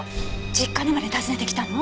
実家にまで訪ねてきたの？